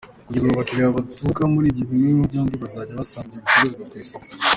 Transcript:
Kugeza ubu, abakiliya baturuka muri ibyo bihugu byombi bazajya basanga ibyo bicuruzwa ku isoko.